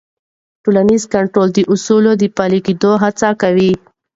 ټولنیز کنټرول د اصولو د پلي کېدو هڅه کوي.